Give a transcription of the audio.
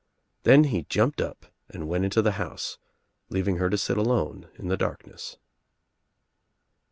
Then he jumped up and went Into the bouse leaving her to sit alone in the darkness.